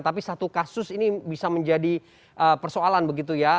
tapi satu kasus ini bisa menjadi persoalan begitu ya